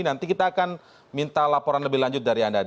nanti kita akan minta laporan lebih lanjut dari anda